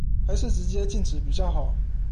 還是直接禁止比較好